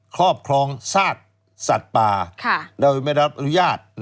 ครอบครองซากสัตว์ป่าโดยไม่รับอนุญาต